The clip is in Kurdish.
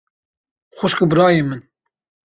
Xwişk û birayên min!